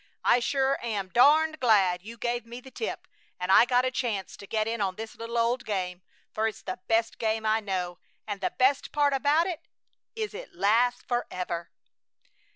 I sure am darned glad you gave me the tip and I got a chance to get in on this little old game, for it's the best game I know, and the best part about it is it lasts forever!"